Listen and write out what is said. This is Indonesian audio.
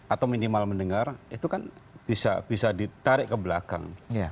atau minimal mendengar itu kan bisa ditarik ke belakang